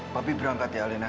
papi berangkat ya alena